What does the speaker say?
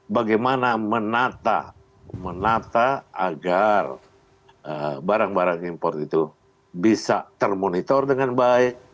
bagaimana menata agar barang barang impor itu bisa termonitor dengan baik